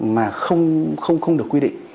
mà không được quy định